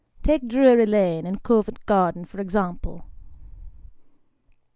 Take Drury Lane and Covent Garden for example.